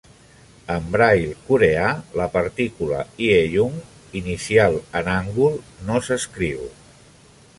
En braille coreà, la partícula "ieung" inicial en hangul no s'escriu.